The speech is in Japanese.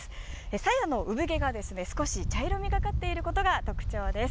さやの産毛が少し茶色みがかっているのが特徴です。